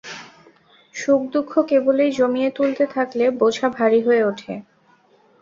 সুখদুঃখ কেবলই জমিয়ে তুলতে থাকলে বোঝা ভারী হয়ে ওঠে।